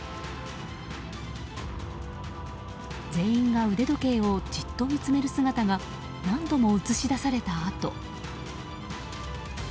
全員が腕時計をじっと見つめる姿が何度も映し出されたあと。